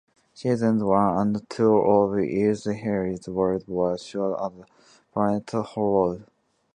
Seasons One and Two of E's Holly's World were shot at the Planet Hollywood.